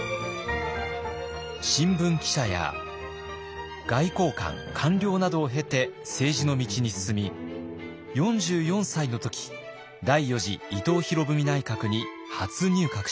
新聞記者や外交官官僚などを経て政治の道に進み４４歳の時第４次伊藤博文内閣に初入閣します。